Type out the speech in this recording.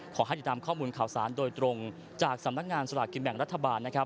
ขอให้ติดตามข้อมูลข่าวสารโดยตรงจากสำนักงานสลากกินแบ่งรัฐบาลนะครับ